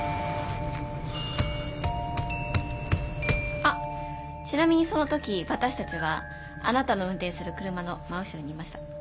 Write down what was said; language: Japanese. あっちなみにその時私たちはあなたの運転する車の真後ろにいました。